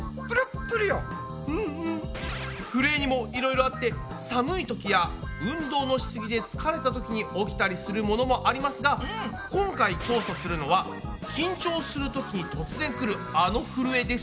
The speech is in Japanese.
ふるえにもいろいろあって寒いときや運動のしすぎで疲れたときに起きたりするものもありますが今回調査するのは緊張するときに突然くるあのふるえです。